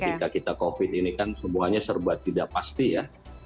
ketika kita covid ini kan semuanya serba tidak pasti ya